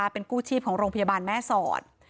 เป็นกู้ชีพของโรงพยาบาลแม่สอด